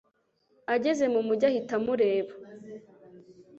ageze mu mujyi, ahita amureba